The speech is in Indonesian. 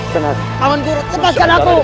taman gurut lepaskan aku